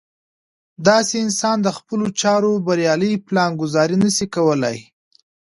داسې انسان د خپلو چارو بريالۍ پلان ګذاري نه شي کولی.